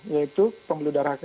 yaitu pembuluh darah